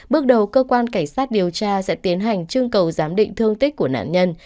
bước đầu cơ quan cảnh sát điều tra sẽ tiến hành trưng cầu giám định thương tích của nạn nhân